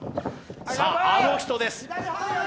さあ、あの人です。